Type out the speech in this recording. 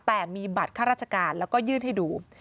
แต่มีบัตรข้าราชการแล้วก็ยื่นให้ดู